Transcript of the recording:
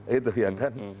itu ya kan